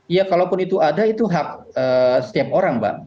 ya kalaupun itu ada itu hak setiap orang mbak